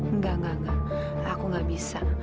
enggak enggak enggak aku gak bisa